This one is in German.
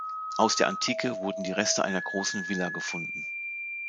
Aus der Antike wurden die Reste einer großen Villa gefunden.